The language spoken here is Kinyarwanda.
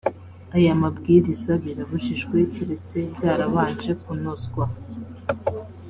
aya mabwiriza birabujijwe keretse byarabanje kunozwa